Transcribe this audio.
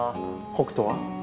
北斗は？